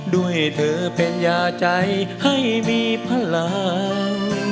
ด้วยเธอเป็นยาใจให้มีพลัง